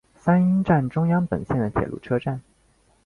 三鹰站中央本线的铁路车站。